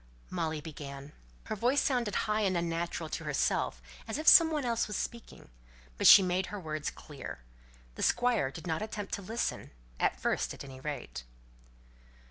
Molly began. Her voice sounded high and unnatural to herself, as if some one else was speaking, but she made her words clear. The Squire did not attempt to listen, at first, at any rate.